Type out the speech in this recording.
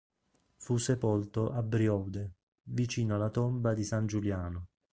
Fu sepolto a Brioude, vicino alla tomba di san Giuliano.